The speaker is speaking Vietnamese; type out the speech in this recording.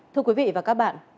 thưa quý vị và các bạn